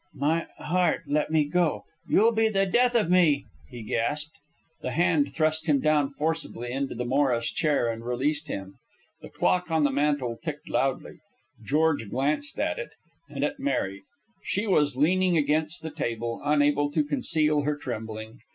"My heart... let me go... you'll be the death of me," he gasped. The hand thrust him down forcibly into the Morris chair and released him. The clock on the mantle ticked loudly. George glanced at it, and at Mary. She was leaning against the table, unable to conceal her trembling.